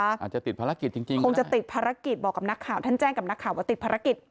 อาจจะติดภารกิจจริงคงจะติดภารกิจบอกกับนักข่าวท่านแจ้งกับนักข่าวว่าติดภารกิจ